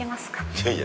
いやいや。